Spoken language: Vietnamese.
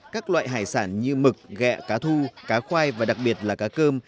các loại hải sản như mực gẹ cá thu cá khoai và đặc biệt là cá cơm